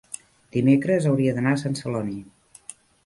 dimecres hauria d'anar a Sant Celoni.